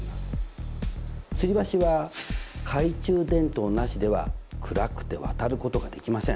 つり橋は懐中電灯なしでは暗くて渡ることができません。